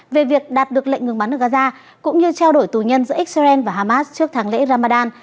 về việc đạt được lệnh ngừng bắn ở gaza cũng như trao đổi tù nhân giữa israel và hamas trước tháng lễ ramadan